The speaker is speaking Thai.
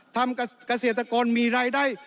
ทำเกษตรกรมีรายได้